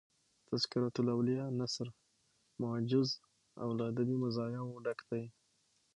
"تذکرةالاولیاء" نثر موجز او له ادبي مزایاو ډک دﺉ.